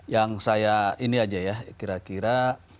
yang saya ini aja ya kira kira